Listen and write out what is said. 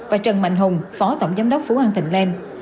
và trần mạnh hùng phó tổng giám đốc phú an thịnh lan